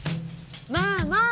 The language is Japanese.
まあまあ。